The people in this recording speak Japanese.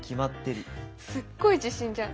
すっごい自信じゃん。